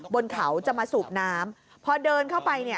บนเขาจะมาสูบน้ำพอเดินเข้าไปเนี่ย